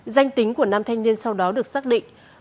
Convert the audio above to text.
danh tính của năm thanh niên sau đó được xác định